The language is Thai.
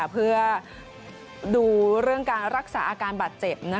เพื่อดูเรื่องการรักษาอาการบาดเจ็บ